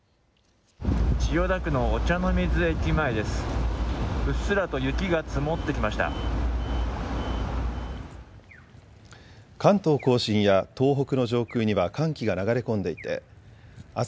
千代田区御茶ノ水駅です。